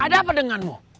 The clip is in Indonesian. ada apa denganmu